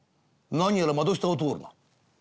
「何やら窓下を通るな。